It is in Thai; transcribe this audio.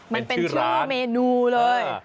มันเป็นชื่อเมนูเลย